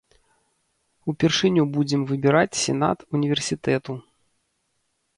Упершыню будзем выбіраць сенат універсітэту.